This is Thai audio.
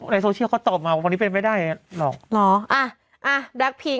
ในโซเชียลเขาตอบมาว่าวันนี้เป็นไม่ได้